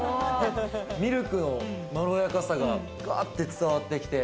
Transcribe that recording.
ミルクのまろやかさが、わって伝わってきて。